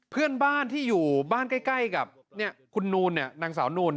เพื่อนบ้านที่อยู่บ้านใกล้กับคุณนูนนางสาวนูน